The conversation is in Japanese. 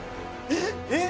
「えっ？